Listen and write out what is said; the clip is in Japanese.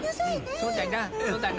そうだな。